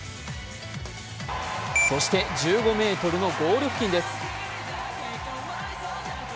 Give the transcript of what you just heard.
そして１５ｍのゴール付近です